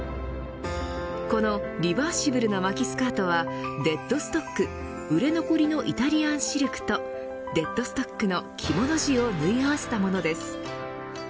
このリバーシブルの巻きスカートはデッドストック売れ残りのイタリアンシルクとデッドストックの着物地を縫い合わせたものです。